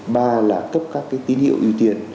ba là cấp các cái tín hiệu ưu tiện